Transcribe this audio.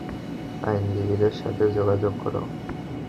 আইনজীবীদের সাথে যোগাযোগ কর।